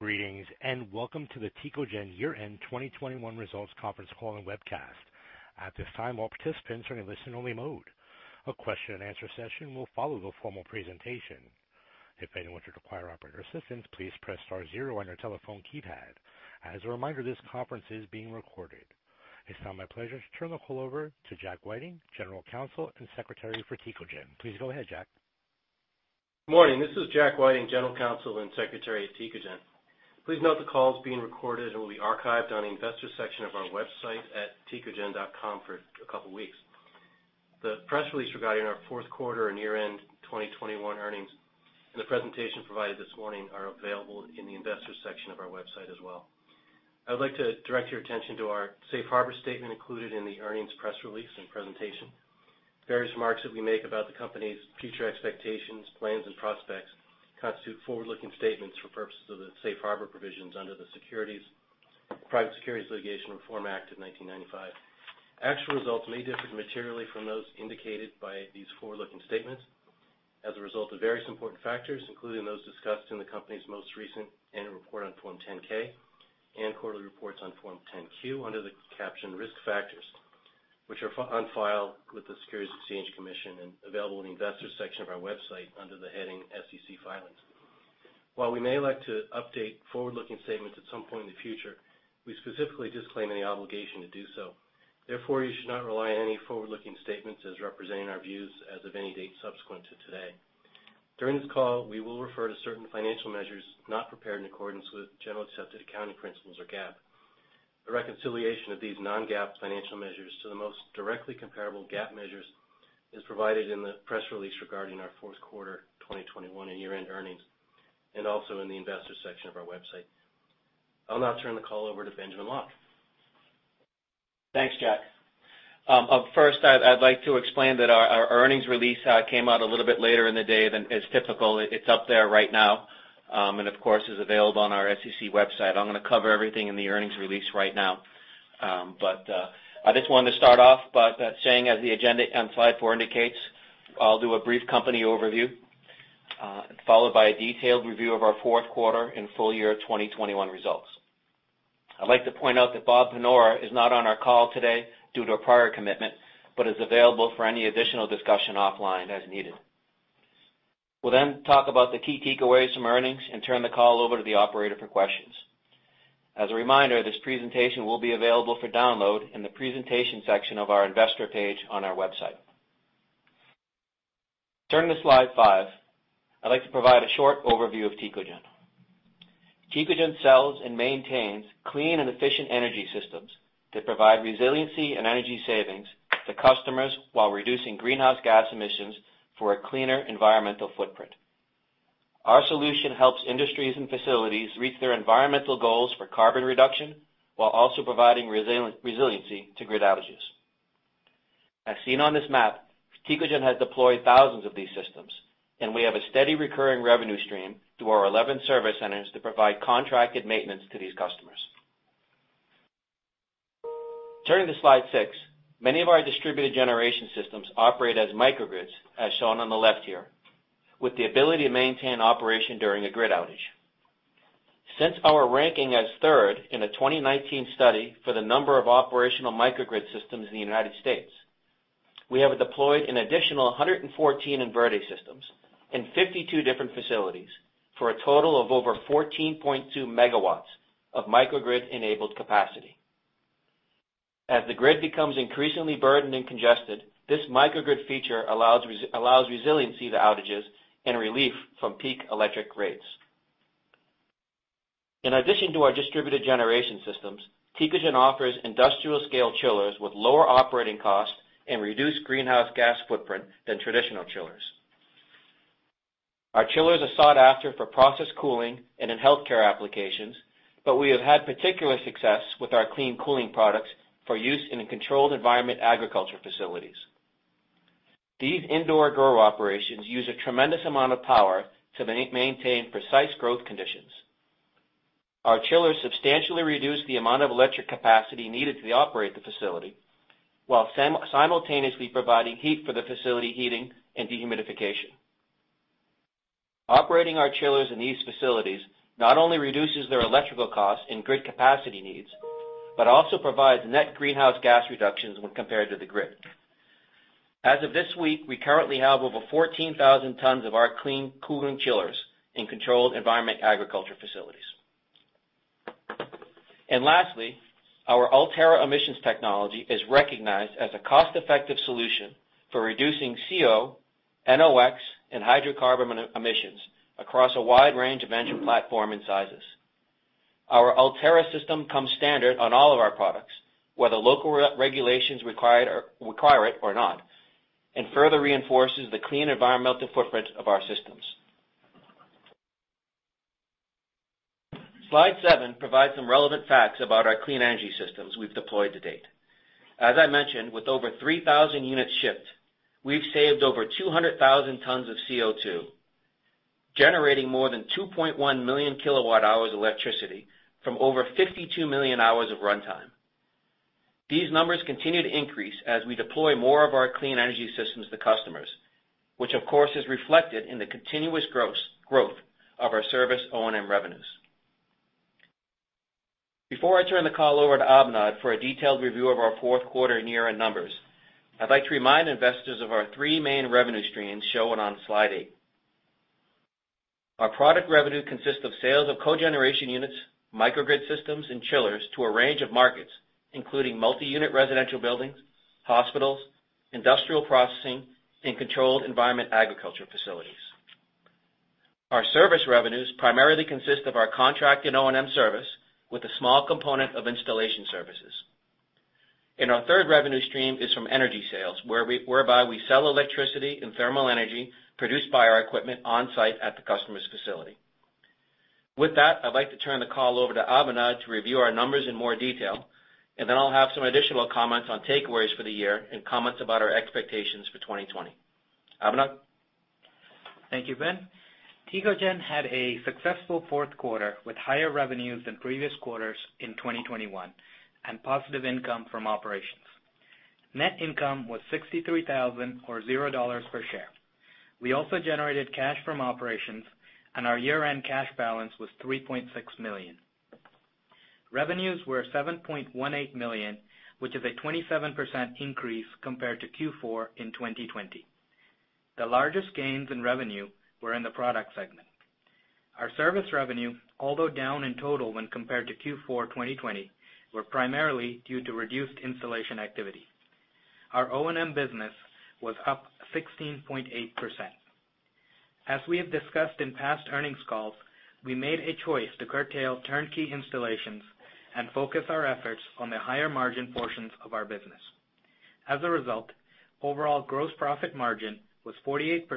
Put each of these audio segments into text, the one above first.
Greetings, welcome to the Tecogen year-end 2021 results conference call and webcast. At this time, all participants are in listen-only mode. A question and answer session will follow the formal presentation. If anyone should require operator assistance, please press star 0 on your telephone keypad. As a reminder, this conference is being recorded. It's now my pleasure to turn the call over to Jack Whiting, general counsel and secretary for Tecogen. Please go ahead, Jack. Morning. This is Jack Whiting, general counsel and secretary at Tecogen. Please note the call is being recorded and will be archived on the investor section of our website at tecogen.com for a couple of weeks. The press release regarding our fourth quarter and year-end 2021 earnings, and the presentation provided this morning, are available in the investor section of our website as well. I would like to direct your attention to our safe harbor statement included in the earnings press release and presentation. Various remarks that we make about the company's future expectations, plans, and prospects constitute forward-looking statements for purposes of the safe harbor provisions under the Private Securities Litigation Reform Act of 1995. Actual results may differ materially from those indicated by these forward-looking statements as a result of various important factors, including those discussed in the company's most recent annual report on Form 10-K and quarterly reports on Form 10-Q under the caption Risk Factors, which are on file with the Securities and Exchange Commission and available in the investor section of our website under the heading SEC Filings. While we may elect to update forward-looking statements at some point in the future, we specifically disclaim any obligation to do so. Therefore, you should not rely on any forward-looking statements as representing our views as of any date subsequent to today. During this call, we will refer to certain financial measures not prepared in accordance with generally accepted accounting principles, or GAAP. A reconciliation of these non-GAAP financial measures to the most directly comparable GAAP measures is provided in the press release regarding our fourth quarter 2021 and year-end earnings, and also in the investor section of our website. I'll now turn the call over to Benjamin Locke. Thanks, Jack. First, I would like to explain that our earnings release came out a little bit later in the day than is typical. It is up there right now, of course, is available on our SEC website. I am going to cover everything in the earnings release right now. I just wanted to start off by saying as the agenda on slide four indicates, I will do a brief company overview, followed by a detailed review of our fourth quarter and full year 2021 results. I would like to point out that Bob Panora is not on our call today due to a prior commitment, but is available for any additional discussion offline as needed. We will talk about the key takeaways from earnings and turn the call over to the operator for questions. As a reminder, this presentation will be available for download in the presentation section of our investor page on our website. Turning to slide five, I would like to provide a short overview of Tecogen. Tecogen sells and maintains clean and efficient energy systems that provide resiliency and energy savings to customers while reducing greenhouse gas emissions for a cleaner environmental footprint. Our solution helps industries and facilities reach their environmental goals for carbon reduction while also providing resiliency to grid outages. As seen on this map, Tecogen has deployed thousands of these systems, we have a steady recurring revenue stream through our 11 service centers that provide contracted maintenance to these customers. Turning to slide six. Many of our distributed generation systems operate as microgrids, as shown on the left here, with the ability to maintain operation during a grid outage. Since our ranking as third in a 2019 study for the number of operational microgrid systems in the U.S., we have deployed an additional 114 InVerde systems and 52 different facilities for a total of over 14.2 megawatts of microgrid-enabled capacity. As the grid becomes increasingly burdened and congested, this microgrid feature allows resiliency to outages and relief from peak electric rates. In addition to our distributed generation systems, Tecogen offers industrial-scale chillers with lower operating costs and reduced greenhouse gas footprint than traditional chillers. Our chillers are sought after for process cooling and in healthcare applications, we have had particular success with our clean cooling products for use in Controlled Environment Agriculture facilities. These indoor grow operations use a tremendous amount of power to maintain precise growth conditions. Our chillers substantially reduce the amount of electric capacity needed to operate the facility while simultaneously providing heat for the facility heating and dehumidification. Operating our chillers in these facilities not only reduces their electrical costs and grid capacity needs, also provides net greenhouse gas reductions when compared to the grid. As of this week, we currently have over 14,000 tons of our clean cooling chillers in Controlled Environment Agriculture facilities. Lastly, our Ultera emissions technology is recognized as a cost-effective solution for reducing CO, NOX, and hydrocarbon emissions across a wide range of engine platform and sizes. Our Ultera system comes standard on all of our products, whether local regulations require it or not, further reinforces the clean environmental footprint of our systems. Slide seven provides some relevant facts about our clean energy systems we have deployed to date. As I mentioned, with over 3,000 units shipped, we've saved over 200,000 tons of CO2, generating more than 2.1 million kilowatt hours of electricity from over 52 million hours of runtime. These numbers continue to increase as we deploy more of our clean energy systems to customers, which of course, is reflected in the continuous growth of our service O&M revenues. Before I turn the call over to Abhinav for a detailed review of our fourth quarter and year-end numbers, I'd like to remind investors of our three main revenue streams shown on slide eight. Our product revenue consists of sales of cogeneration units, microgrid systems, and chillers to a range of markets, including multi-unit residential buildings, hospitals, industrial processing, and Controlled Environment Agriculture facilities. Our service revenues primarily consist of our contracted O&M service with a small component of installation services. Our third revenue stream is from energy sales, whereby we sell electricity and thermal energy produced by our equipment on-site at the customer's facility. With that, I'd like to turn the call over to Abhinav to review our numbers in more detail, then I'll have some additional comments on takeaways for the year and comments about our expectations for 2020. Abhinav? Thank you, Ben. Tecogen had a successful fourth quarter with higher revenues than previous quarters in 2021 and positive income from operations. Net income was $63,000 or $0 per share. We also generated cash from operations, and our year-end cash balance was $3.6 million. Revenues were $7.18 million, which is a 27% increase compared to Q4 in 2020. The largest gains in revenue were in the product segment. Our service revenue, although down in total when compared to Q4 2020, were primarily due to reduced installation activity. Our O&M business was up 16.8%. As we have discussed in past earnings calls, we made a choice to curtail turnkey installations and focus our efforts on the higher-margin portions of our business. As a result, overall gross profit margin was 48%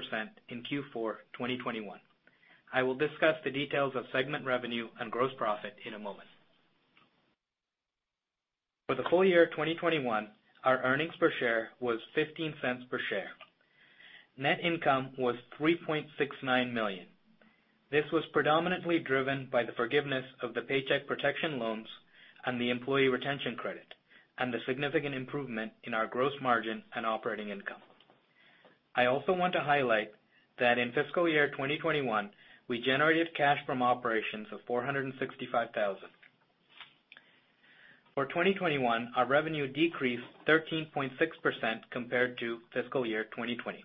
in Q4 2021. I will discuss the details of segment revenue and gross profit in a moment. For the full year 2021, our earnings per share was $0.15 per share. Net income was $3.69 million. This was predominantly driven by the forgiveness of the Paycheck Protection loans and the employee retention credit, and the significant improvement in our gross margin and operating income. I also want to highlight that in fiscal year 2021, we generated cash from operations of $465,000. For 2021, our revenue decreased 13.6% compared to fiscal year 2020.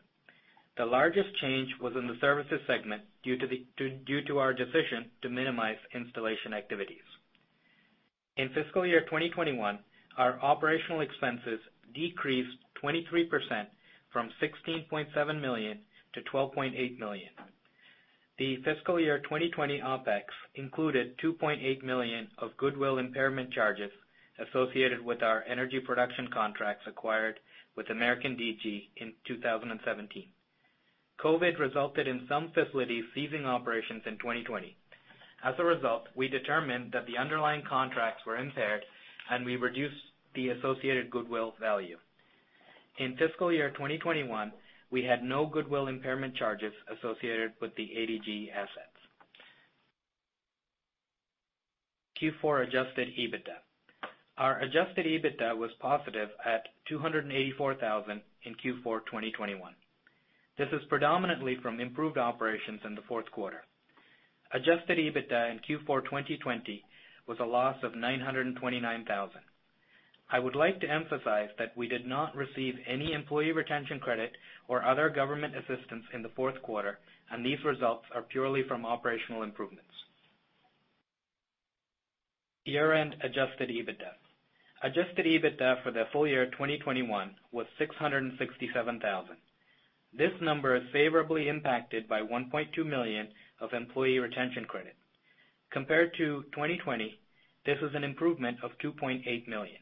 The largest change was in the services segment due to our decision to minimize installation activities. In fiscal year 2021, our operational expenses decreased 23% from $16.7 million to $12.8 million. The fiscal year 2020 OpEx included $2.8 million of goodwill impairment charges associated with our energy production contracts acquired with American DG in 2017. COVID resulted in some facilities ceasing operations in 2020. As a result, we determined that the underlying contracts were impaired, and we reduced the associated goodwill value. In fiscal year 2021, we had no goodwill impairment charges associated with the ADGE assets. Q4 adjusted EBITDA. Our adjusted EBITDA was positive at $284,000 in Q4 2021. This is predominantly from improved operations in the fourth quarter. Adjusted EBITDA in Q4 2020 was a loss of $929,000. I would like to emphasize that we did not receive any employee retention credit or other government assistance in the fourth quarter, and these results are purely from operational improvements. Year-end adjusted EBITDA. Adjusted EBITDA for the full year 2021 was $667,000. This number is favorably impacted by $1.2 million of employee retention credit. Compared to 2020, this is an improvement of $2.8 million.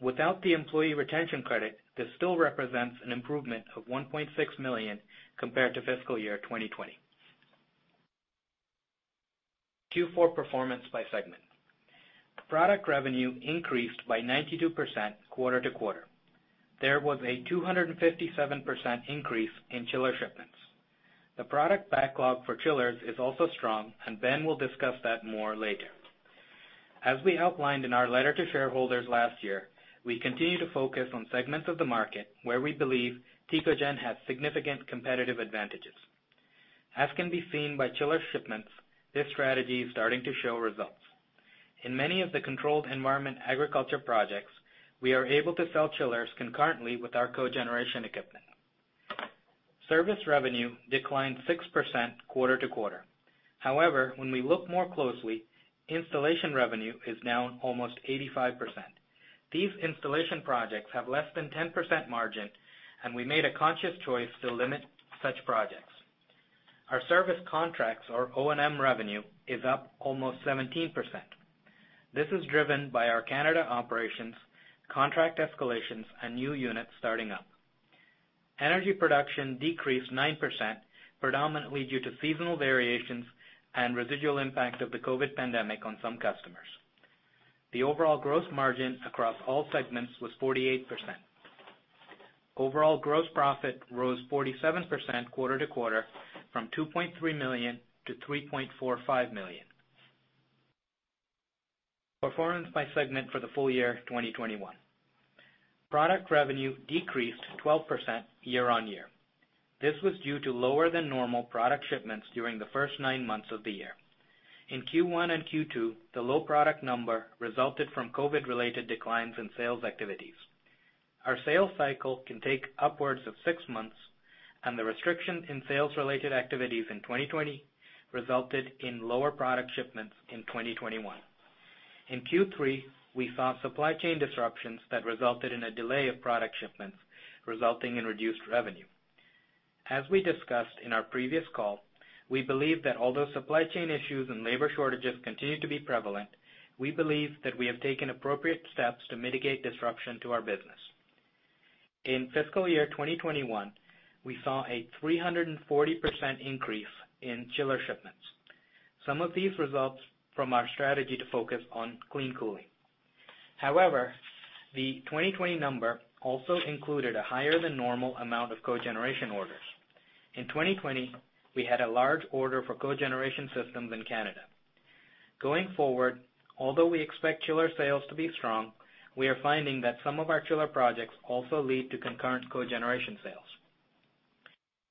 Without the employee retention credit, this still represents an improvement of $1.6 million compared to fiscal year 2020. Q4 performance by segment. Product revenue increased by 92% quarter-to-quarter. There was a 257% increase in chiller shipments. The product backlog for chillers is also strong, and Ben will discuss that more later. As we outlined in our letter to shareholders last year, we continue to focus on segments of the market where we believe Tecogen has significant competitive advantages. As can be seen by chiller shipments, this strategy is starting to show results. In many of the Controlled Environment Agriculture projects, we are able to sell chillers concurrently with our cogeneration equipment. Service revenue declined 6% quarter-to-quarter. However, when we look more closely, installation revenue is now almost 85%. These installation projects have less than 10% margin, and we made a conscious choice to limit such projects. Our service contracts or O&M revenue is up almost 17%. This is driven by our Canada operations, contract escalations, and new units starting up. Energy production decreased 9%, predominantly due to seasonal variations and residual impact of the COVID pandemic on some customers. The overall gross margin across all segments was 48%. Overall gross profit rose 47% quarter-to-quarter from $2.3 million to $3.45 million. Performance by segment for the full year 2021. Product revenue decreased 12% year-on-year. This was due to lower than normal product shipments during the first nine months of the year. In Q1 and Q2, the low product number resulted from COVID related declines in sales activities. Our sales cycle can take upwards of six months, and the restriction in sales related activities in 2020 resulted in lower product shipments in 2021. In Q3, we saw supply chain disruptions that resulted in a delay of product shipments, resulting in reduced revenue. As we discussed in our previous call, we believe that although supply chain issues and labor shortages continue to be prevalent, we believe that we have taken appropriate steps to mitigate disruption to our business. In fiscal year 2021, we saw a 340% increase in chiller shipments. Some of these results from our strategy to focus on clean cooling. However, the 2020 number also included a higher than normal amount of cogeneration orders. In 2020, we had a large order for cogeneration systems in Canada. Going forward, although we expect chiller sales to be strong, we are finding that some of our chiller projects also lead to concurrent cogeneration sales.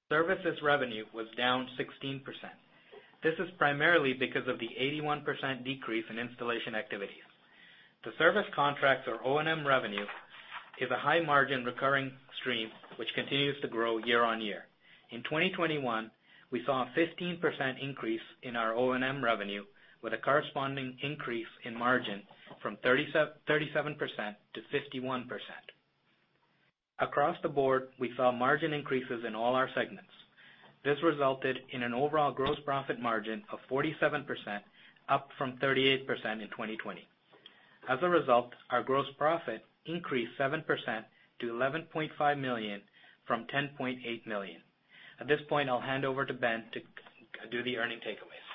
Services revenue was down 16%. This is primarily because of the 81% decrease in installation activities. The service contracts or O&M revenue is a high margin recurring stream which continues to grow year-on-year. In 2021, we saw a 15% increase in our O&M revenue with a corresponding increase in margin from 37% to 51%. Across the board, we saw margin increases in all our segments. This resulted in an overall gross profit margin of 47%, up from 38% in 2020. As a result, our gross profit increased 7% to $11.5 million from $10.8 million. At this point, I'll hand over to Ben to do the earning takeaways.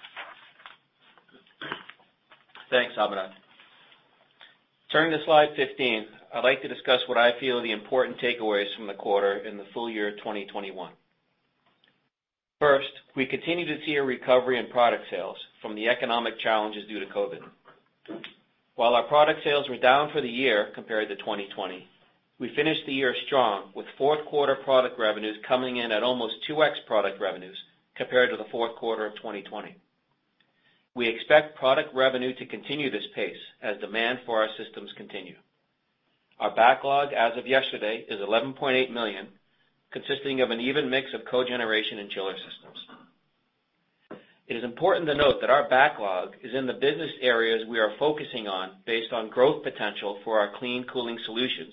Thanks, Abinand. Turning to slide 15, I'd like to discuss what I feel are the important takeaways from the quarter in the full year 2021. First, we continue to see a recovery in product sales from the economic challenges due to COVID. While our product sales were down for the year compared to 2020, we finished the year strong with fourth quarter product revenues coming in at almost 2x product revenues compared to the fourth quarter of 2020. We expect product revenue to continue this pace as demand for our systems continue. Our backlog as of yesterday is $11.8 million, consisting of an even mix of cogeneration and chiller systems. It is important to note that our backlog is in the business areas we are focusing on based on growth potential for our clean cooling solutions,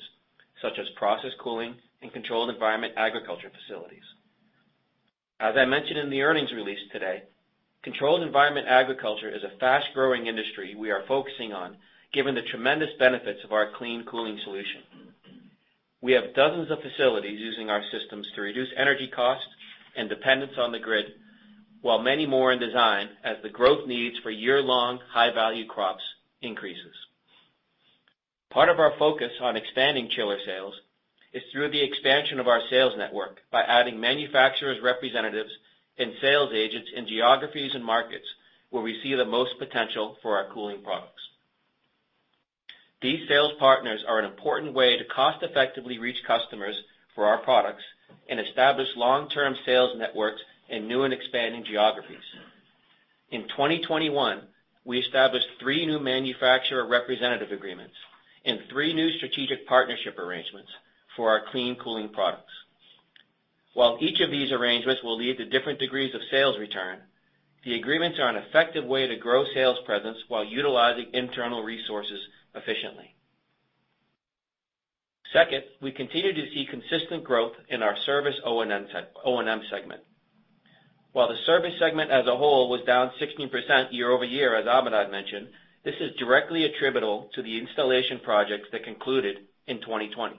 such as process cooling and Controlled Environment Agriculture facilities. As I mentioned in the earnings release today, Controlled Environment Agriculture is a fast growing industry we are focusing on, given the tremendous benefits of our clean cooling solution. We have dozens of facilities using our systems to reduce energy costs and dependence on the grid, while many more in design as the growth needs for year-long, high value crops increases. Part of our focus on expanding chiller sales is through the expansion of our sales network by adding manufacturers representatives and sales agents in geographies and markets where we see the most potential for our cooling products. These sales partners are an important way to cost effectively reach customers for our products and establish long term sales networks in new and expanding geographies. In 2021, we established three new manufacturer representative agreements and three new strategic partnership arrangements for our clean cooling products. While each of these arrangements will lead to different degrees of sales return, the agreements are an effective way to grow sales presence while utilizing internal resources efficiently. Second, we continue to see consistent growth in our service O&M segment. While the service segment as a whole was down 16% year-over-year, as Abinand mentioned, this is directly attributable to the installation projects that concluded in 2020.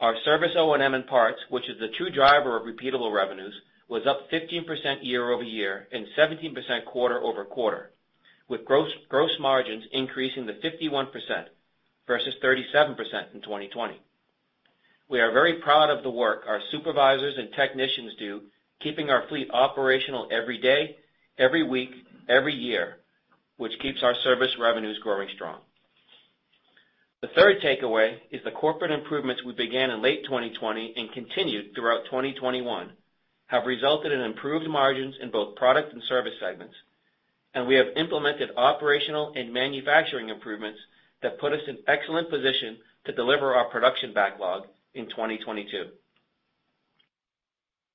Our service O&M and parts, which is the true driver of repeatable revenues, was up 15% year-over-year and 17% quarter-over-quarter, with gross margins increasing to 51% versus 37% in 2020. We are very proud of the work our supervisors and technicians do, keeping our fleet operational every day, every week, every year, which keeps our service revenues growing strong. The third takeaway is the corporate improvements we began in late 2020 and continued throughout 2021 have resulted in improved margins in both product and service segments, and we have implemented operational and manufacturing improvements that put us in excellent position to deliver our production backlog in 2022.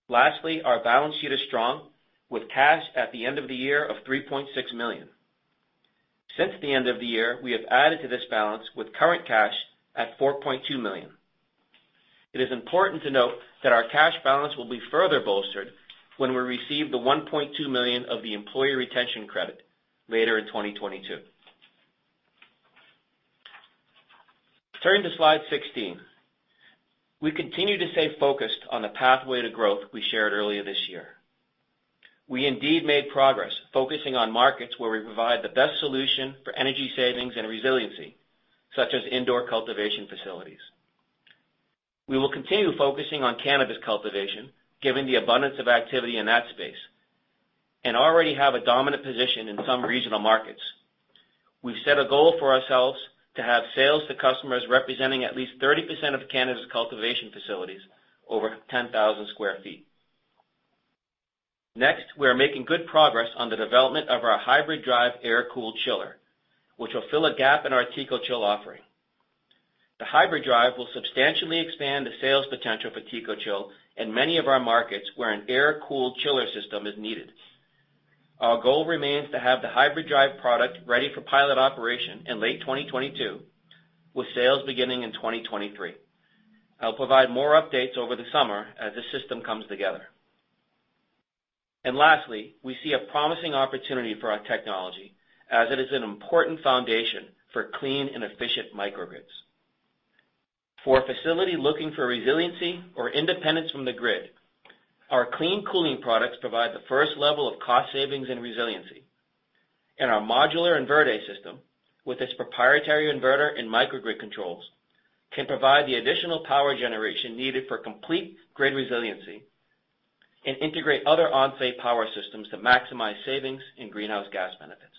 Lastly, our balance sheet is strong, with cash at the end of the year of $3.6 million. Since the end of the year, we have added to this balance with current cash at $4.2 million. It is important to note that our cash balance will be further bolstered when we receive the $1.2 million of the Employee Retention Credit later in 2022. Turning to slide 16. We continue to stay focused on the pathway to growth we shared earlier this year. We indeed made progress focusing on markets where we provide the best solution for energy savings and resiliency, such as indoor cultivation facilities. We will continue focusing on cannabis cultivation, given the abundance of activity in that space, and already have a dominant position in some regional markets. We've set a goal for ourselves to have sales to customers representing at least 30% of cannabis cultivation facilities over 10,000 sq ft. Next, we are making good progress on the development of our hybrid drive air-cooled chiller, which will fill a gap in our TECOCHILL offering. The hybrid drive will substantially expand the sales potential for TECOCHILL in many of our markets where an air-cooled chiller system is needed. Our goal remains to have the hybrid drive product ready for pilot operation in late 2022, with sales beginning in 2023. I'll provide more updates over the summer as the system comes together. Lastly, we see a promising opportunity for our technology as it is an important foundation for clean and efficient microgrids. For a facility looking for resiliency or independence from the grid, our clean cooling products provide the first level of cost savings and resiliency. Our modular InVerde system, with its proprietary inverter and microgrid controls, can provide the additional power generation needed for complete grid resiliency and integrate other on-site power systems to maximize savings in greenhouse gas benefits.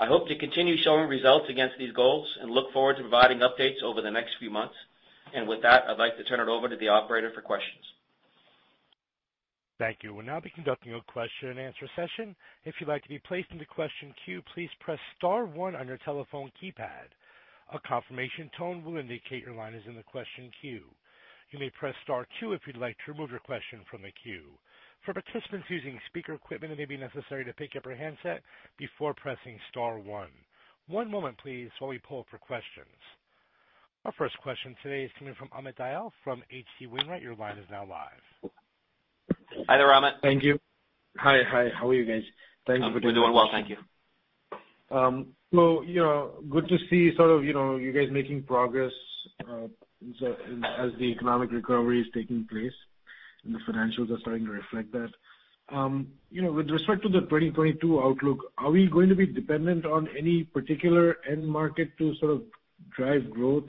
I hope to continue showing results against these goals and look forward to providing updates over the next few months. With that, I'd like to turn it over to the operator for questions. Thank you. We'll now be conducting a question and answer session. If you'd like to be placed into question queue, please press star one on your telephone keypad. A confirmation tone will indicate your line is in the question queue. You may press star two if you'd like to remove your question from the queue. For participants using speaker equipment, it may be necessary to pick up your handset before pressing star one. One moment, please, while we pull for questions. Our first question today is coming from Amit Dayal from H.C. Wainwright. Your line is now live. Hi there, Amit. Thank you. Hi. How are you guys? Thank you for. We're doing well, thank you. Good to see you guys making progress as the economic recovery is taking place and the financials are starting to reflect that. With respect to the 2022 outlook, are we going to be dependent on any particular end market to drive growth,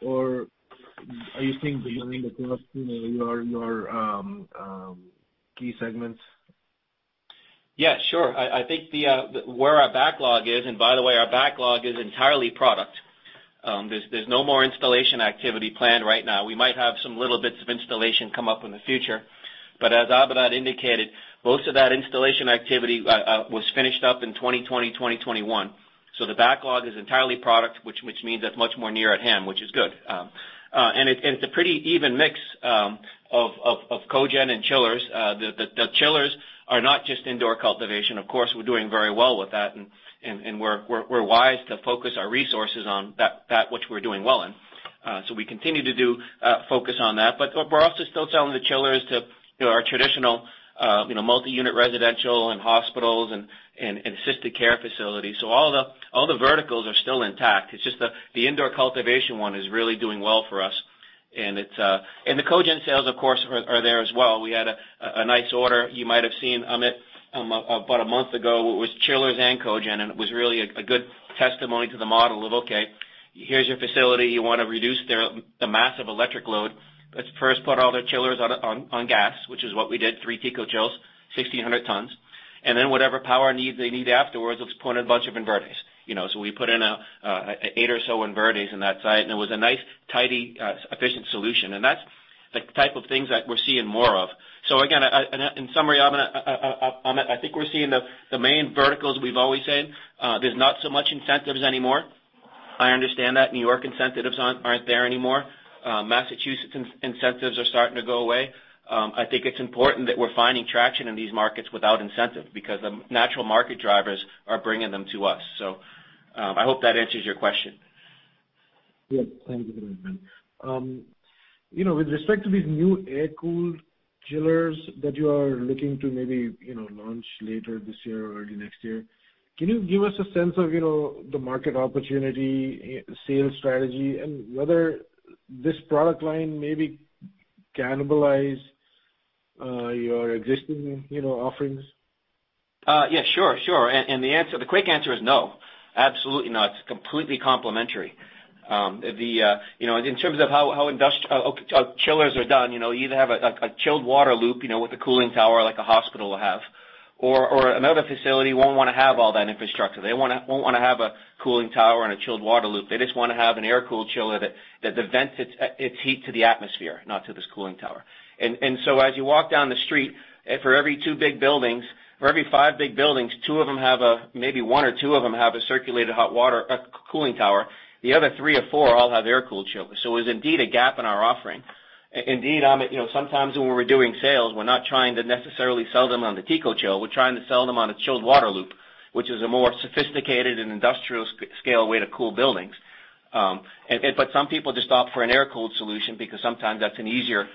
or are you seeing the beginning of your key segments? Yeah, sure. I think where our backlog is. By the way, our backlog is entirely product. There's no more installation activity planned right now. We might have some little bits of installation come up in the future, but as Abinand indicated, most of that installation activity was finished up in 2020, 2021. The backlog is entirely product, which means that's much more near at hand, which is good. It's a pretty even mix of cogen and chillers. The chillers are not just indoor cultivation. Of course, we're doing very well with that, and we're wise to focus our resources on that which we're doing well in. We continue to focus on that. We're also still selling the chillers to our traditional multi-unit residential and hospitals and assisted care facilities. All the verticals are still intact. It's just the indoor cultivation one is really doing well for us. The cogen sales, of course, are there as well. We had a nice order you might have seen, Amit, about a month ago. It was chillers and cogen, and it was really a good testimony to the model of, okay, here's your facility. You want to reduce the massive electric load. Let's first put all the chillers on gas, which is what we did, three TECOCHILLs, 1,600 tons. Whatever power they need afterwards, let's put in a bunch of inverters. We put in eight or so inverters in that site, and it was a nice, tidy, efficient solution. That's the type of things that we're seeing more of. Again, in summary, Amit, I think we're seeing the main verticals we've always in. There's not so much incentives anymore. I understand that New York incentives aren't there anymore. Massachusetts incentives are starting to go away. I think it's important that we're finding traction in these markets without incentive because the natural market drivers are bringing them to us. I hope that answers your question. Yeah. Thank you very much, Ben. With respect to these new air-cooled chillers that you are looking to maybe launch later this year or early next year, can you give us a sense of the market opportunity, sales strategy, and whether this product line maybe cannibalize your existing offerings? Yeah, sure. The quick answer is no. Absolutely not. It's completely complementary. In terms of how chillers are done, you either have a chilled water loop with a cooling tower like a hospital will have, or another facility won't want to have all that infrastructure. They won't want to have a cooling tower and a chilled water loop. They just want to have an air-cooled chiller that vents its heat to the atmosphere, not to this cooling tower. As you walk down the street, for every two big buildings, for every five big buildings, two of them have a maybe one or two of them have a circulated hot water cooling tower. The other three or four all have air-cooled chillers. It is indeed a gap in our offering. Indeed, Amit, sometimes when we're doing sales, we're not trying to necessarily sell them on the TECOCHILL. We're trying to sell them on a chilled water loop, which is a more sophisticated and industrial scale way to cool buildings. Some people just opt for an air-cooled solution because sometimes that's an easier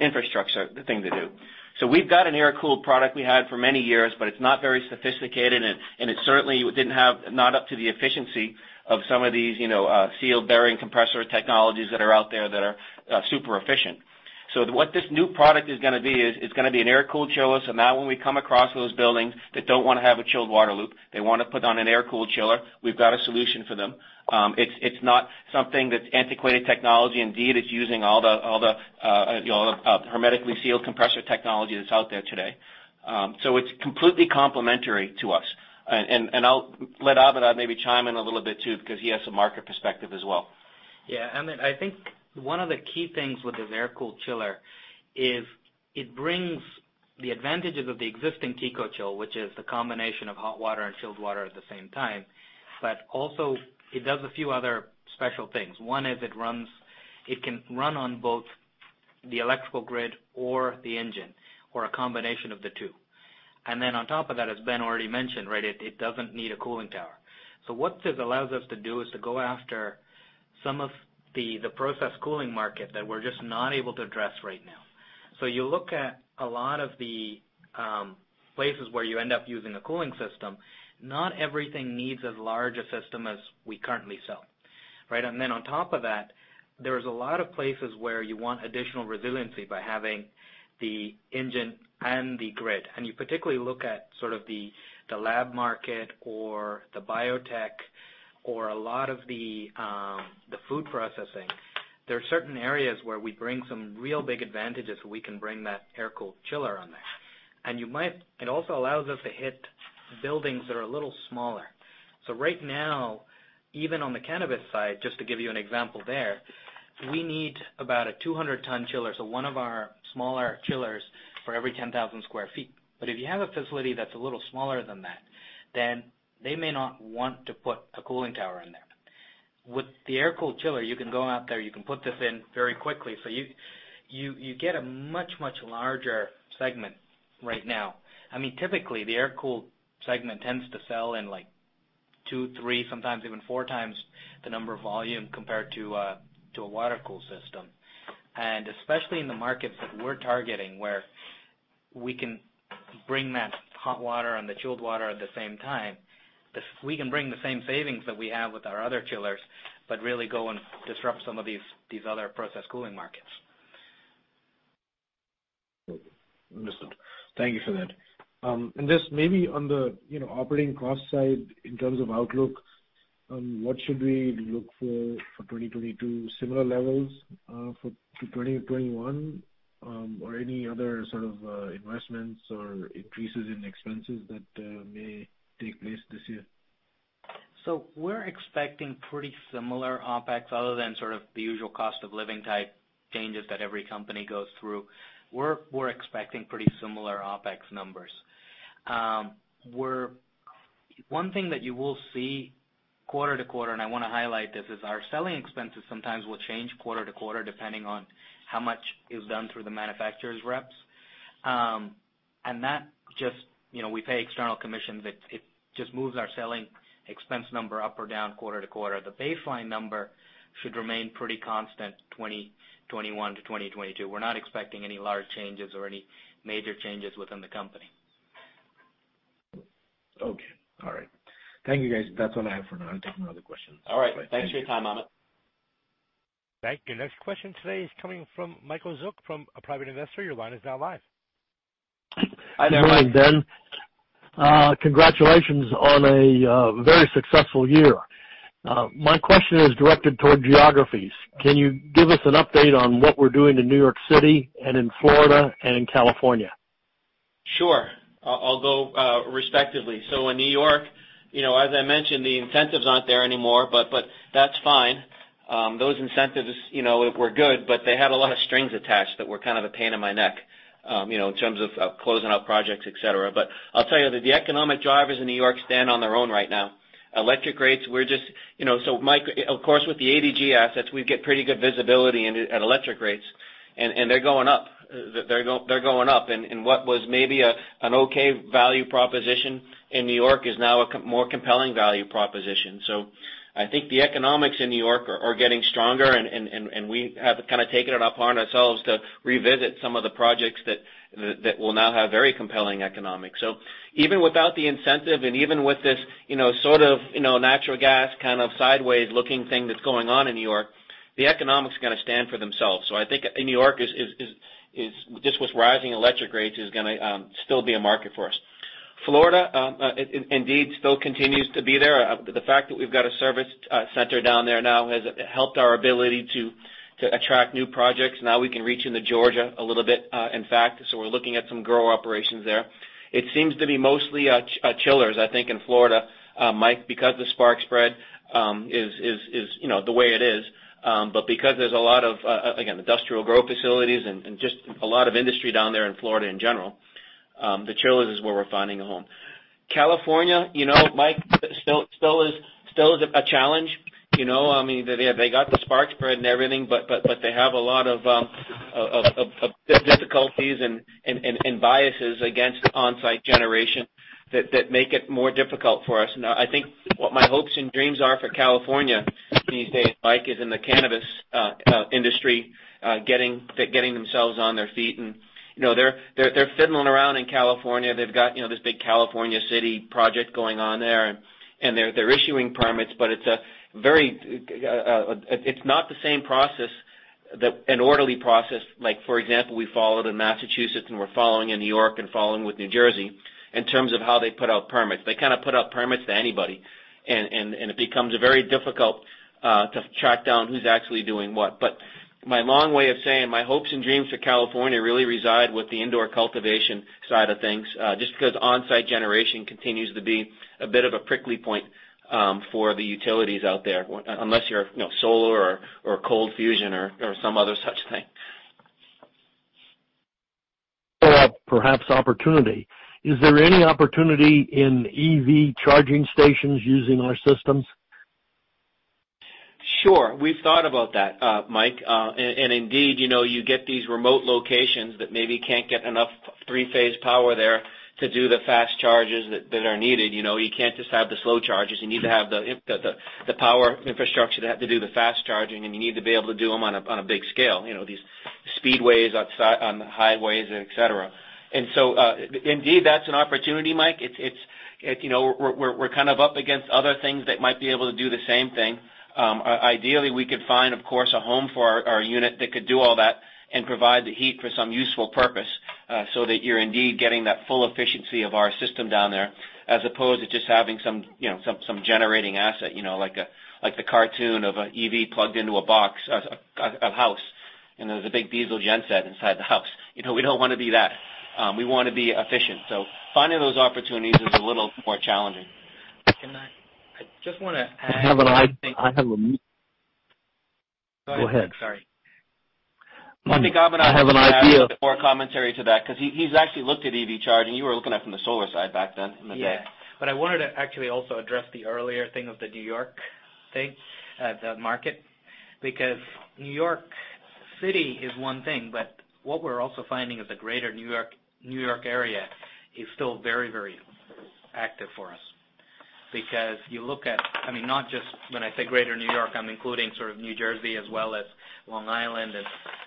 infrastructure thing to do. We've got an air-cooled product we had for many years, but it's not very sophisticated, and it certainly didn't have not up to the efficiency of some of these sealed bearing compressor technologies that are out there that are super efficient. What this new product is going to be is, it's going to be an air-cooled chiller. Now when we come across those buildings that don't want to have a chilled water loop, they want to put on an air-cooled chiller, we've got a solution for them. It's not something that's antiquated technology. Indeed, it's using all the hermetically sealed compressor technology that's out there today. It's completely complementary to us. I'll let Abinand maybe chime in a little bit too, because he has a market perspective as well. Yeah, I think one of the key things with this air-cooled chiller is it brings the advantages of the existing Tecogen chill, which is the combination of hot water and chilled water at the same time. Also it does a few other special things. One is it can run on both the electrical grid or the engine, or a combination of the two. On top of that, as Ben already mentioned, it doesn't need a cooling tower. What this allows us to do is to go after some of the process cooling market that we're just not able to address right now. You look at a lot of the places where you end up using a cooling system, not everything needs as large a system as we currently sell. On top of that, there's a lot of places where you want additional resiliency by having the engine and the grid. You particularly look at the lab market or the biotech or a lot of the food processing. There are certain areas where we bring some real big advantages, we can bring that air-cooled chiller on there. It also allows us to hit buildings that are a little smaller. Right now, even on the cannabis side, just to give you an example there, we need about a 200-ton chiller, so one of our smaller chillers for every 10,000 sq ft. If you have a facility that's a little smaller than that, they may not want to put a cooling tower in there. With the air-cooled chiller, you can go out there, you can put this in very quickly. You get a much larger segment right now. Typically, the air-cooled segment tends to sell in like two, three, sometimes even four times the number of volume compared to a water-cooled system. Especially in the markets that we're targeting, where we can bring that hot water and the chilled water at the same time, we can bring the same savings that we have with our other chillers, but really go and disrupt some of these other process cooling markets. Understood. Thank you for that. Just maybe on the operating cost side in terms of outlook, what should we look for for 2022? Similar levels to 2021, or any other sort of investments or increases in expenses that may take place this year? We're expecting pretty similar OpEx other than sort of the usual cost of living type changes that every company goes through. We're expecting pretty similar OpEx numbers. One thing that you will see quarter to quarter, and I want to highlight this, is our selling expenses sometimes will change quarter to quarter depending on how much is done through the manufacturer's reps. We pay external commissions. It just moves our selling expense number up or down quarter to quarter. The baseline number should remain pretty constant 2021 to 2022. We're not expecting any large changes or any major changes within the company. Okay. All right. Thank you, guys. That's all I have for now. I'll take another question. All right. Thanks for your time, Amit. Thank you. Next question today is coming from Michael Zook from a private investor. Your line is now live. Hi, there. Good morning, Ben. Congratulations on a very successful year. My question is directed toward geographies. Can you give us an update on what we're doing in New York City and in Florida and in California? Sure. I'll go respectively. In New York, as I mentioned, the incentives aren't there anymore, but that's fine. Those incentives were good, but they had a lot of strings attached that were kind of a pain in my neck, in terms of closing up projects, et cetera. I'll tell you, the economic drivers in New York stand on their own right now. Electric rates, of course with the ADGE assets, we get pretty good visibility at electric rates, and they're going up. What was maybe an okay value proposition in New York is now a more compelling value proposition. I think the economics in New York are getting stronger and we have kind of taken it upon ourselves to revisit some of the projects that will now have very compelling economics. Even without the incentive and even with this sort of natural gas kind of sideways looking thing that's going on in New York, the economics are going to stand for themselves. I think in New York, just with rising electric rates, is going to still be a market for us. Florida, indeed, still continues to be there. The fact that we've got a service center down there now has helped our ability to attract new projects. Now we can reach into Georgia a little bit, in fact, we're looking at some grow operations there. It seems to be mostly chillers, I think, in Florida, Mike, because the spark spread is the way it is. Because there's a lot of, again, industrial growth facilities and just a lot of industry down there in Florida in general, the chiller is where we're finding a home. California, Mike, still is a challenge. They got the spark spread and everything, they have a lot of difficulties and biases against onsite generation that make it more difficult for us. I think what my hopes and dreams are for California these days, Mike, is in the cannabis industry getting themselves on their feet. They're fiddling around in California. They've got this big California city project going on there. They're issuing permits, but it's not the same process, an orderly process like, for example, we followed in Massachusetts and we're following in New York and following with New Jersey in terms of how they put out permits. They kind of put out permits to anybody, and it becomes very difficult to track down who's actually doing what. My long way of saying my hopes and dreams for California really reside with the indoor cultivation side of things, just because on-site generation continues to be a bit of a prickly point for the utilities out there, unless you're solar or cold fusion or some other such thing. Follow-up, perhaps opportunity. Is there any opportunity in EV charging stations using our systems? Sure. We've thought about that, Mike. Indeed, you get these remote locations that maybe can't get enough three-phase power there to do the fast charges that are needed. You can't just have the slow charges. You need to have the power infrastructure to do the fast charging, and you need to be able to do them on a big scale, these speedways on the highways, et cetera. Indeed, that's an opportunity, Mike. We're kind of up against other things that might be able to do the same thing. Ideally, we could find, of course, a home for our unit that could do all that and provide the heat for some useful purpose so that you're indeed getting that full efficiency of our system down there as opposed to just having some generating asset, like the cartoon of an EV plugged into a house, and there's a big diesel gen set inside the house. We don't want to be that. We want to be efficient. Finding those opportunities is a little more challenging. I just want to add one thing. I have a- Go ahead. Sorry. I have an idea. I think Abinand can add more commentary to that because he's actually looked at EV charging. You were looking at it from the solar side back then in the day. Yeah. I wanted to actually also address the earlier thing of the N.Y. market, because N.Y. City is one thing, but what we're also finding is the greater N.Y. area is still very active for us. You look at not just when I say greater N.Y., I'm including sort of N.J. as well as Long Island and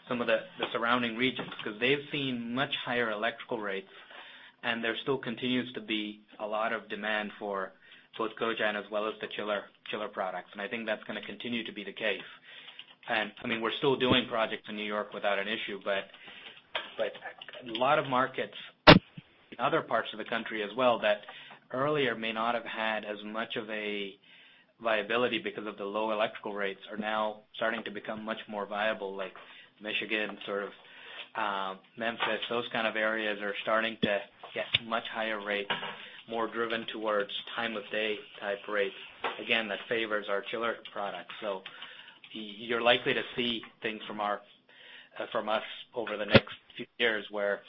some of the surrounding regions, because they've seen much higher electrical rates, and there still continues to be a lot of demand for both cogen as well as the chiller products. I think that's going to continue to be the case. We're still doing projects in N.Y. without an issue, but a lot of markets in other parts of the country as well that earlier may not have had as much of a viability because of the low electrical rates are now starting to become much more viable, like Michigan, sort of Memphis. Those kind of areas are starting to get much higher rates, more driven towards time-of-day type rates. Again, that favors our chiller products. You're likely to see things from us over the next few years where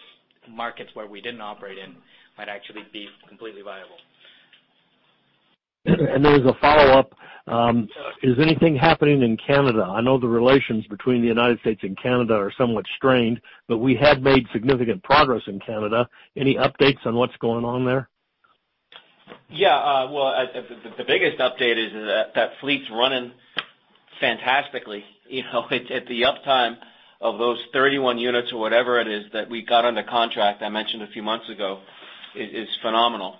markets where we didn't operate in might actually be completely viable. There was a follow-up. Is anything happening in Canada? I know the relations between the U.S. and Canada are somewhat strained, but we had made significant progress in Canada. Any updates on what's going on there? Well, the biggest update is that fleet's running fantastically. The uptime of those 31 units or whatever it is that we got under contract, I mentioned a few months ago, is phenomenal.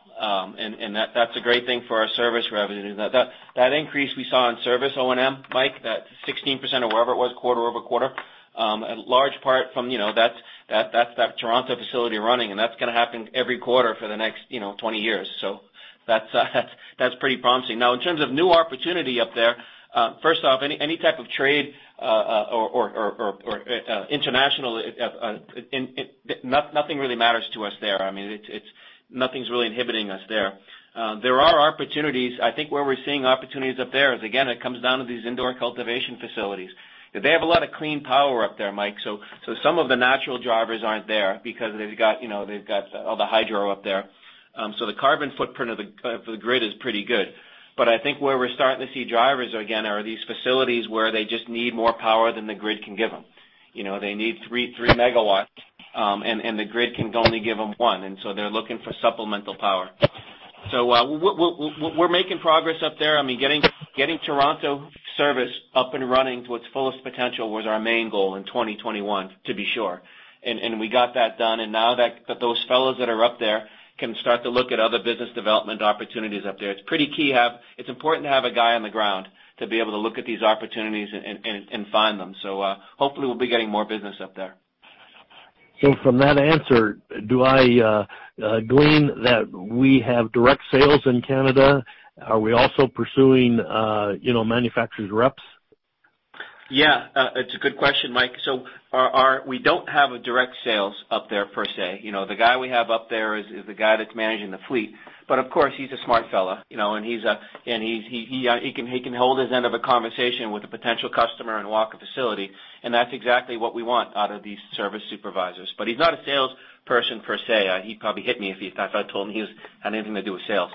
That's a great thing for our service revenue. That increase we saw in service O&M, Mike, that 16% or whatever it was quarter-over-quarter, a large part from that Toronto facility running, and that's going to happen every quarter for the next 20 years. That's pretty promising. In terms of new opportunity up there, first off, any type of trade or international, nothing really matters to us there. Nothing's really inhibiting us there. There are opportunities. I think where we're seeing opportunities up there is, again, it comes down to these indoor cultivation facilities. They have a lot of clean power up there, Mike. Some of the natural drivers aren't there because they've got all the hydro up there. The carbon footprint of the grid is pretty good. I think where we're starting to see drivers again are these facilities where they just need more power than the grid can give them. They need three megawatts, the grid can only give them one, they're looking for supplemental power. We're making progress up there. Getting Toronto service up and running to its fullest potential was our main goal in 2021, to be sure. We got that done, and now those fellows that are up there can start to look at other business development opportunities up there. It's important to have a guy on the ground to be able to look at these opportunities and find them. Hopefully we'll be getting more business up there. From that answer, do I glean that we have direct sales in Canada? Are we also pursuing manufacturer's reps? Yeah. It's a good question, Mike. We don't have a direct sales up there per se. The guy we have up there is the guy that's managing the fleet. Of course, he's a smart fellow, and he can hold his end of a conversation with a potential customer and walk a facility, and that's exactly what we want out of these service supervisors. He's not a salesperson per se. He'd probably hit me if I told him he had anything to do with sales.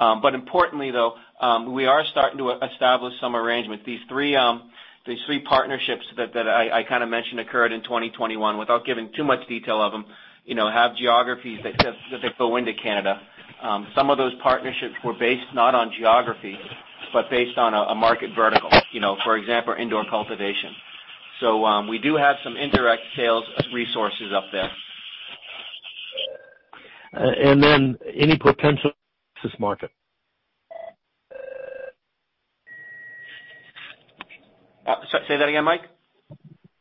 Importantly, though, we are starting to establish some arrangements. These three partnerships that I kind of mentioned occurred in 2021, without giving too much detail of them, have geographies that go into Canada. Some of those partnerships were based not on geography, but based on a market vertical. For example, indoor cultivation. We do have some indirect sales resources up there. Any potential in the Texas market? Say that again, Mike.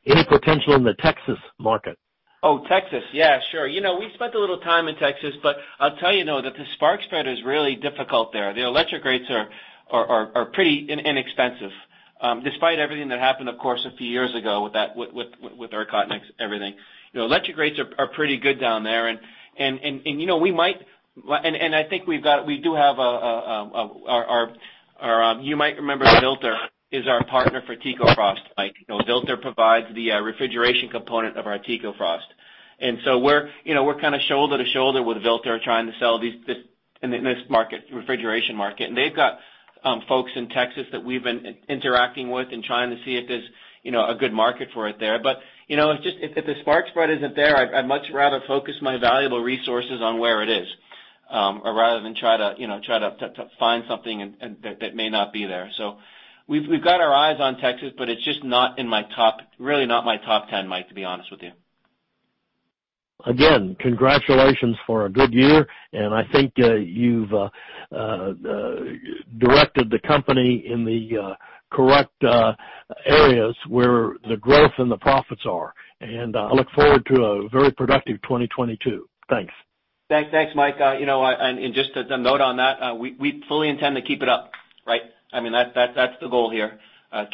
Any potential in the Texas market? Oh, Texas. Yeah, sure. We spent a little time in Texas, but I'll tell you now that the spark spread is really difficult there. The electric rates are pretty inexpensive. Despite everything that happened, of course, a few years ago with ERCOT and everything. Electric rates are pretty good down there. You might remember Vilter is our partner for TecoFrost. Vilter provides the refrigeration component of our TecoFrost. We're kind of shoulder to shoulder with Vilter trying to sell in this refrigeration market. They've got folks in Texas that we've been interacting with and trying to see if there's a good market for it there. If the spark spread isn't there, I'd much rather focus my valuable resources on where it is, or rather than try to find something that may not be there. We've got our eyes on Texas, but it's just really not my top 10, Mike, to be honest with you. Again, congratulations for a good year, and I think you've directed the company in the correct areas where the growth and the profits are. I look forward to a very productive 2022. Thanks. Thanks, Mike. Just as a note on that, we fully intend to keep it up. That's the goal here.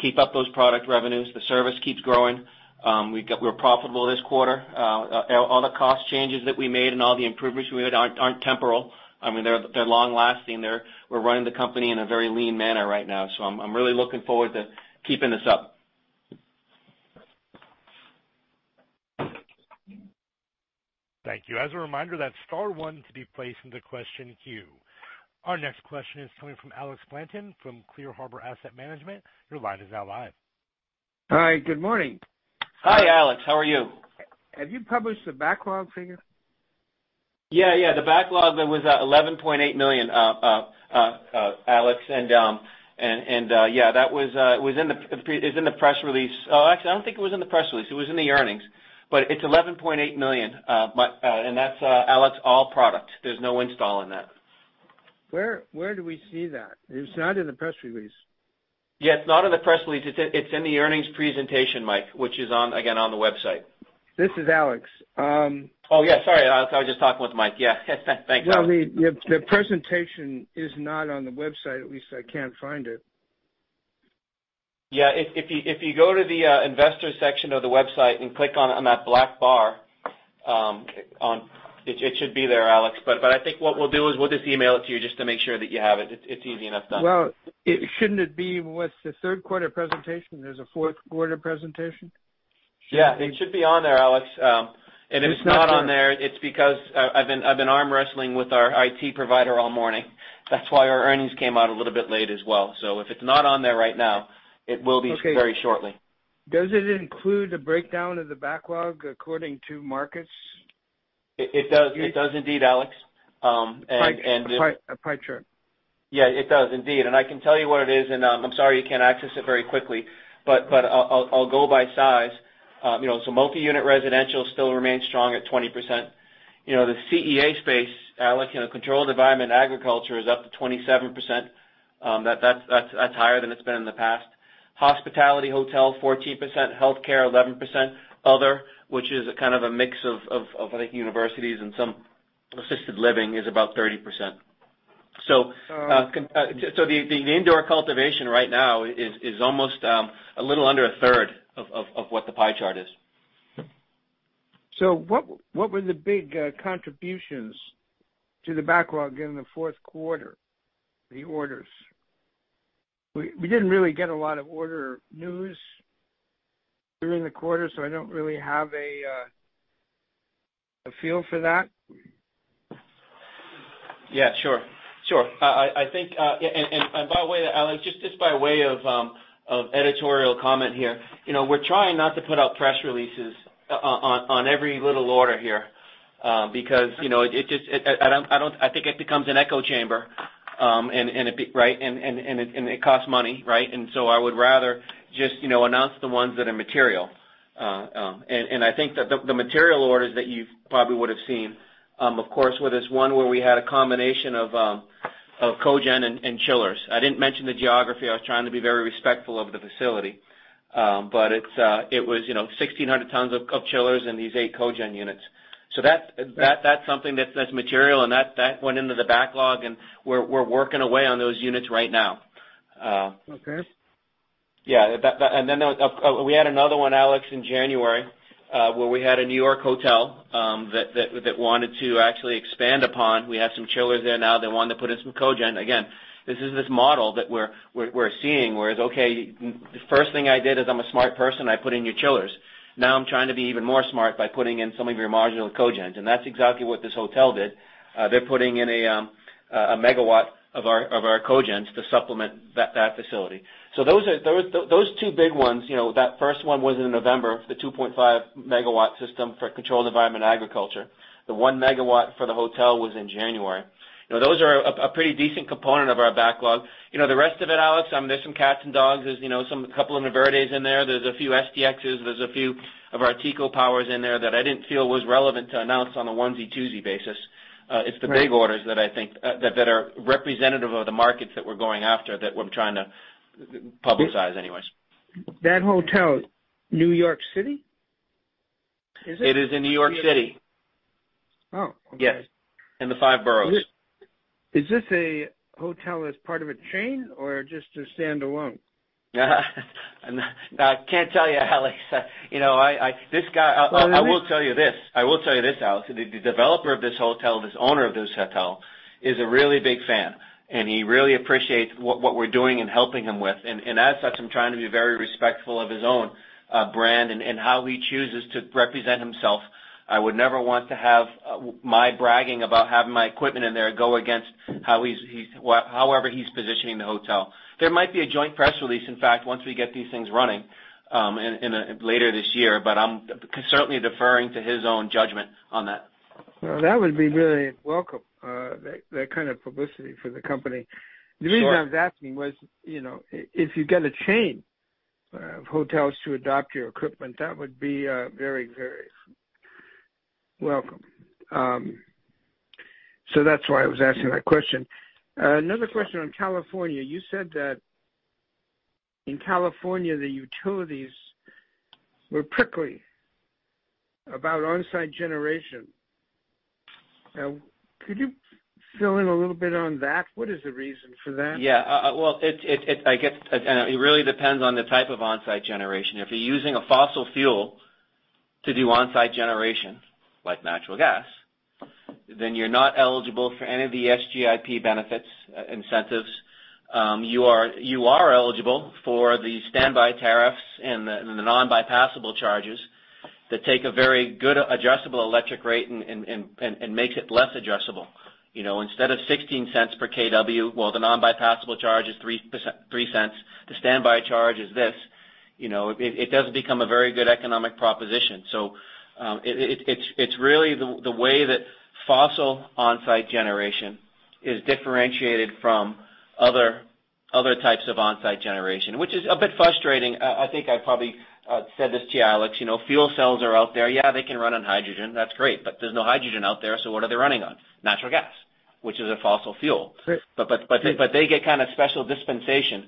Keep up those product revenues. The service keeps growing. We're profitable this quarter. All the cost changes that we made and all the improvements we made aren't temporal. They're long lasting. We're running the company in a very lean manner right now. I'm really looking forward to keeping this up. Thank you. As a reminder, that's star one to be placed in the question queue. Our next question is coming from Alex Blanton from Clear Harbor Asset Management. Your line is now live. Hi, good morning. Hi, Alex. How are you? Have you published the backlog figure? Yeah. The backlog that was $11.8 million, Alex, yeah, that was in the press release. Actually, I don't think it was in the press release. It was in the earnings. It's $11.8 million. That's Alex all product. There's no install in that. Where do we see that? It's not in the press release. Yeah. It's not in the press release. It's in the earnings presentation, Mike, which is again, on the website. This is Alex. Oh, yeah, sorry, Alex. I was just talking with Mike. Yeah. Thanks, Alex. No, the presentation is not on the website. At least I can't find it. Yeah. If you go to the investor section of the website and click on that black bar, it should be there, Alex. I think what we'll do is we'll just email it to you just to make sure that you have it. It's easy enough done. Shouldn't it be what's the third quarter presentation? There's a fourth quarter presentation? It should be on there, Alex. If it's not on there, it's because I've been arm wrestling with our IT provider all morning. That's why our earnings came out a little bit late as well. If it's not on there right now, it will be very shortly. Does it include the breakdown of the backlog according to markets? It does indeed, Alex. A pie chart. Yeah, it does indeed. I can tell you what it is, I'm sorry you can't access it very quickly, I'll go by size. Multi-unit residential still remains strong at 20%. The CEA space, Alex, Controlled Environment Agriculture, is up to 27%. That's higher than it's been in the past. Hospitality hotel, 14%, healthcare, 11%, other, which is a kind of a mix of I think universities and some assisted living is about 30%. The indoor cultivation right now is almost a little under a third of what the pie chart is. What were the big contributions to the backlog in the fourth quarter? The orders. We didn't really get a lot of order news during the quarter, I don't really have a feel for that. Yeah, sure. By the way, Alex, just by way of editorial comment here. We're trying not to put out press releases on every little order here, because I think it becomes an echo chamber, and it costs money. I would rather just announce the ones that are material. I think that the material orders that you probably would have seen, of course, were this one where we had a combination of cogen and chillers. I didn't mention the geography. I was trying to be very respectful of the facility. It was 1,600 tons of chillers and these 8 cogen units. That's something that's material and that went into the backlog, and we're working away on those units right now. Okay. Yeah. We had another one, Alex, in January, where we had a New York hotel that wanted to actually expand upon. We have some chillers there now. They wanted to put in some cogen. Again, this is this model that we're seeing where it's, okay, the first thing I did is I'm a smart person, I put in your chillers. Now I'm trying to be even smarter by putting in some of your marginal cogens. That's exactly what this hotel did. They're putting in 1 megawatt of our cogens to supplement that facility. Those 2 big ones, that first one was in November, the 2.5 megawatt system for Controlled Environment Agriculture. The 1 megawatt for the hotel was in January. Those are a pretty decent component of our backlog. The rest of it, Alex, there's some cats and dogs. There's a couple of InVerdes in there. There's a few SDXs. There's a few of our TecoPower in there that I didn't feel was relevant to announce on a onesie-twosie basis. Right. It's the big orders that I think that are representative of the markets that we're going after, that we're trying to publicize anyways. That hotel, New York City? Is it? It is in New York City. Oh, okay. Yes. In the five boroughs. Is this a hotel that's part of a chain or just a standalone? I can't tell you, Alex. Well. I will tell you this, Alex. The developer of this hotel, this owner of this hotel, is a really big fan, and he really appreciates what we're doing in helping him with. As such, I'm trying to be very respectful of his own brand and how he chooses to represent himself. I would never want to have my bragging about having my equipment in there go against however he's positioning the hotel. There might be a joint press release, in fact, once we get these things running later this year, I'm certainly deferring to his own judgment on that. Well, that would be really welcome, that kind of publicity for the company. Sure. The reason I was asking was, if you get a chain of hotels to adopt your equipment, that would be very welcome. That's why I was asking that question. Another question on California, you said that in California, the utilities were prickly about on-site generation. Could you fill in a little bit on that? What is the reason for that? Yeah. Well, it really depends on the type of on-site generation. If you're using a fossil fuel to do on-site generation, like natural gas, then you're not eligible for any of the SGIP benefits incentives. You are eligible for the standby tariffs and the non-bypassable charges that take a very good adjustable electric rate and makes it less adjustable. Instead of $0.16 per kW, well, the non-bypassable charge is $0.03. The standby charge is this. It does become a very good economic proposition. It's really the way that fossil on-site generation is differentiated from other types of on-site generation, which is a bit frustrating. I think I probably said this to you, Alex. Fuel cells are out there. Yeah, they can run on hydrogen. That's great, but there's no hydrogen out there, so what are they running on? Natural gas, which is a fossil fuel. Right. They get kind of special dispensation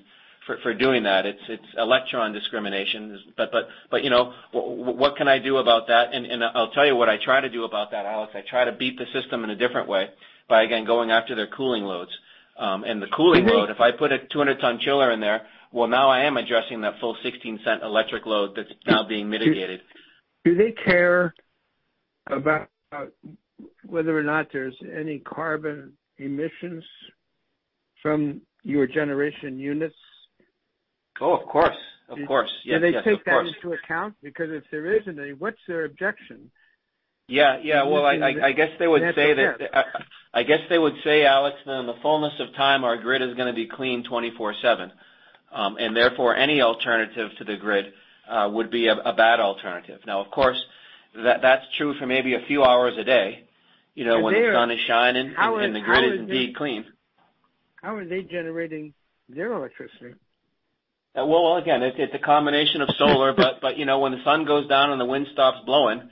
for doing that. It's electron discrimination. What can I do about that? I'll tell you what I try to do about that, Alex. I try to beat the system in a different way by, again, going after their cooling loads. The cooling load, if I put a 200-ton chiller in there, well, now I am addressing that full $0.16 electric load that's now being mitigated. Do they care about whether or not there's any carbon emissions from your generation units? Oh, of course. Yes. Do they take that into account? Because if there isn't any, what's their objection? Yeah. Well, I guess they would say, Alex, that in the fullness of time, our grid is gonna be clean 24/7. Therefore, any alternative to the grid would be a bad alternative. Of course, that's true for maybe a few hours a day- They are- When the sun is shining and the grid is indeed clean. How are they generating their electricity? Well, again, it's a combination of solar, but when the sun goes down and the wind stops blowing,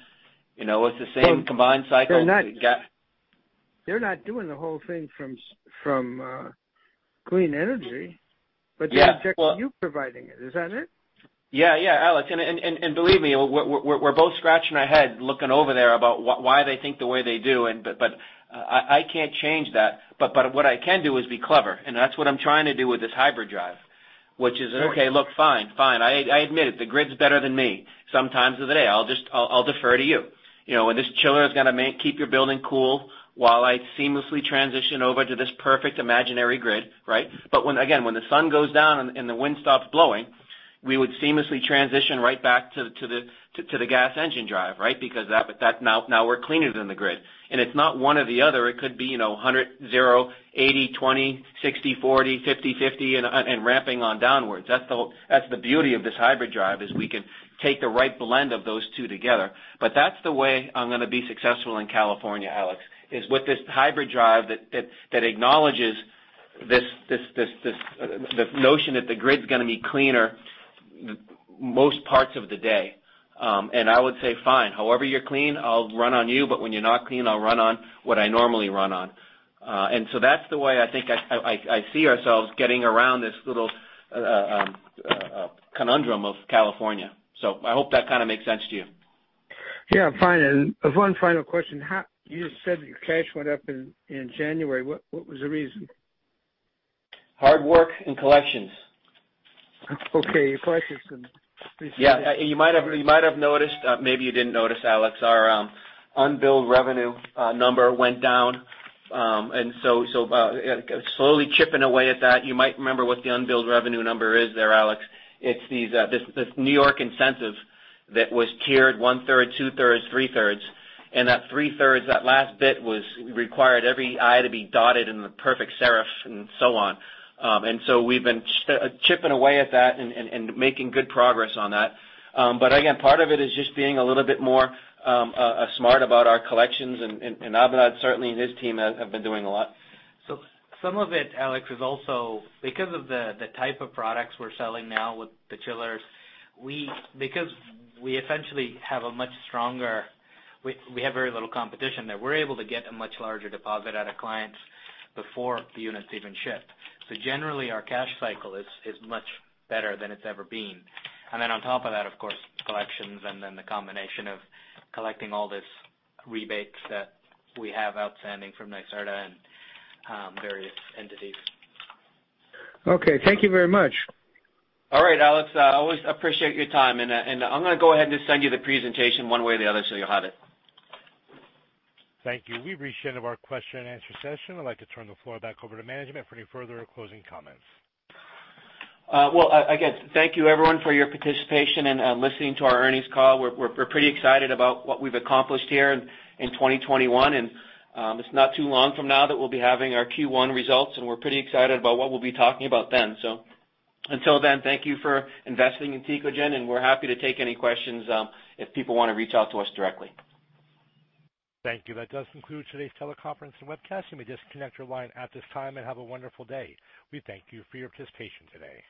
it's the same combined cycle. They're not doing the whole thing from clean energy. Yeah. Well. They object to you providing it. Is that it? Yeah, Alex. Believe me, we're both scratching our head looking over there about why they think the way they do. What I can do is be clever, and that's what I'm trying to do with this hybrid drive. Right Fine. I admit it. The grid's better than me some times of the day. I'll defer to you. When this chiller is gonna keep your building cool while I seamlessly transition over to this perfect imaginary grid, right? Again, when the sun goes down and the wind stops blowing, we would seamlessly transition right back to the gas engine drive, right? Because now we're cleaner than the grid. It's not one or the other. It could be 100, 0, 80, 20, 60, 40, 50, and ramping on downwards. That's the beauty of this hybrid drive, is we can take the right blend of those two together. That's the way I'm gonna be successful in California, Alex, is with this hybrid drive that acknowledges this notion that the grid's gonna be cleaner most parts of the day. I would say, "Fine, however you're clean, I'll run on you, but when you're not clean, I'll run on what I normally run on." That's the way I think I see ourselves getting around this little conundrum of California. I hope that kind of makes sense to you. Yeah. Fine. One final question. You just said that your cash went up in January. What was the reason? Hard work and collections. Okay. Your collections increased. Yeah. You might have noticed, maybe you didn't notice, Alex, our unbilled revenue number went down. Slowly chipping away at that. You might remember what the unbilled revenue number is there, Alex. It's this New York incentive that was tiered one-third, two-thirds, three-thirds, and that three-thirds, that last bit required every I to be dotted and the perfect serif, and so on. We've been chipping away at that and making good progress on that. Again, part of it is just being a little bit more smart about our collections, and Abinand certainly and his team have been doing a lot. Some of it, Alex, is also because of the type of products we're selling now with the chillers. Because we essentially have very little competition, that we're able to get a much larger deposit out of clients before the units even ship. Generally, our cash cycle is much better than it's ever been. On top of that, of course, collections and then the combination of collecting all these rebates that we have outstanding from NYSERDA and various entities. Okay. Thank you very much. All right, Alex. I always appreciate your time. I'm gonna go ahead and just send you the presentation one way or the other so you'll have it. Thank you. We've reached the end of our question and answer session. I'd like to turn the floor back over to management for any further closing comments. Again, thank you everyone for your participation and listening to our earnings call. We're pretty excited about what we've accomplished here in 2021, and it's not too long from now that we'll be having our Q1 results, and we're pretty excited about what we'll be talking about then. Until then, thank you for investing in Tecogen, and we're happy to take any questions if people wanna reach out to us directly. Thank you. That does conclude today's teleconference and webcast. You may disconnect your line at this time. Have a wonderful day. We thank you for your participation today.